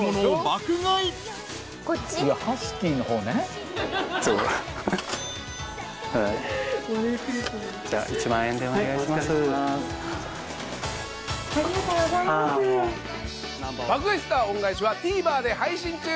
『爆買い☆スター恩返し』はＴＶｅｒで配信中。